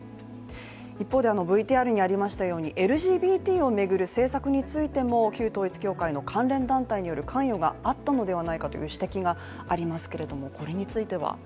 一方でＶＴＲにありましたようにＬＧＢＴを巡る政策についても旧統一教会の関連団体による関与があったのではないかという指摘がありますけれども、これについては。